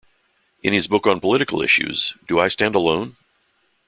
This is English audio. In his book on political issues, "Do I Stand Alone?